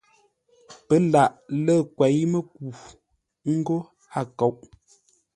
Pə́ laʼ lə́ kwěi-mə́ku ńgó a kóʼ.